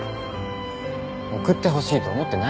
送ってほしいと思ってないでしょ。